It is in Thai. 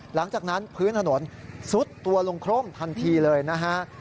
หลังจากนั้นพื้นถนนซุดตัวลงคร่มทันทีเลยนะฮะ